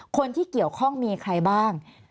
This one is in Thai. คนที่เกี่ยวข้องมีใครบ้าง